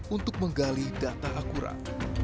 untuk menggali data akurat